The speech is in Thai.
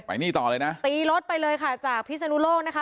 นี่ต่อเลยนะตีรถไปเลยค่ะจากพิศนุโลกนะคะ